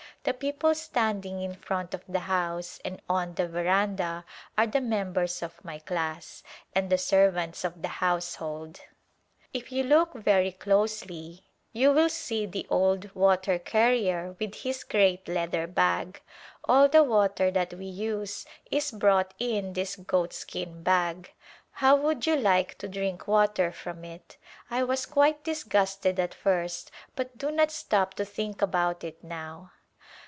The people stand ing in front of the house and on the veranda are the members of my class, and the servants of the house hold. If you look very closely you will see the old ^^ Busy Days water carrier with his great leather bag. All the water that we use is brought in this goatskin bag. How would you like to drink water from it ? I was quite disgusted at first but do not stop to think about it now.